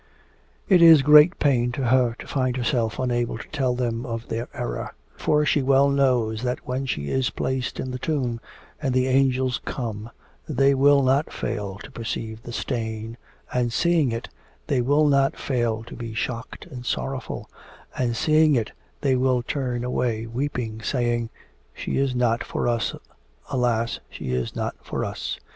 It is great pain to her to find herself unable to tell them of their error; for she well knows that when she is placed in the tomb, and the angels come, that they will not fail to perceive the stain, and seeing it, they will not fail to be shocked and sorrowful and seeing it they will turn away weeping, saying, 'She is not for us, alas! she is not for us!'